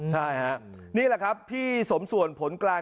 ใช่ฮะนี่แหละครับพี่สมส่วนผลกลาง